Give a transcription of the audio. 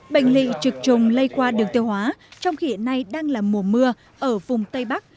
bệnh lị trực trùng lây qua đường tiêu hóa trong khi hiện nay đang là mùa mưa ở vùng tây bắc